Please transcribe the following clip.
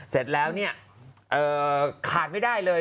เสร็จแล้วเนี่ยขาดไม่ได้เลย